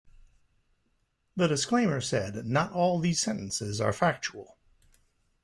The disclaimer said not all these sentences are factual.